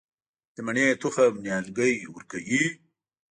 د مڼې تخم نیالګی ورکوي؟